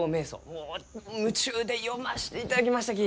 もう夢中で読ましていただきましたき！